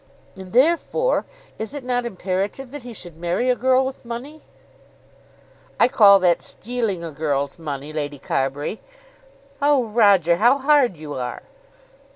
"And therefore is it not imperative that he should marry a girl with money?" "I call that stealing a girl's money, Lady Carbury." "Oh, Roger, how hard you are!"